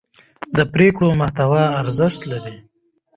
د پرېکړو محتوا ارزښت لري